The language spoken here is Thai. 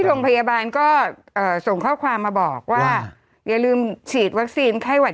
โรงพยาบาลก็ส่งข้อความมาบอกว่าอย่าลืมฉีดวัคซีนไข้หวัด